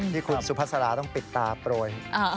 ที่คุณซู่ภัสระต้องปิดตาโปรย